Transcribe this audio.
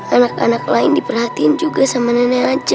anak anak lain diperhatiin juga sama nenek aja